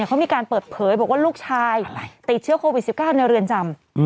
เขามีการเปิดเผยบอกว่าลูกชายติดเชื้อโควิด๑๙ในเรือนจำ